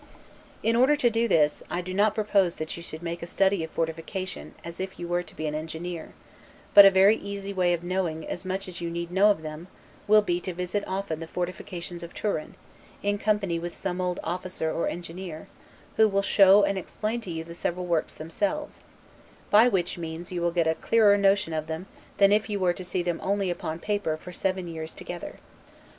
In order to this, I do not propose that you should make a study of fortification, as if you were to be an engineer, but a very easy way of knowing as much as you need know of them, will be to visit often the fortifications of Turin, in company with some old officer or engineer, who will show and explain to you the several works themselves; by which means you will get a clearer notion of them than if you were to see them only upon paper for seven years together.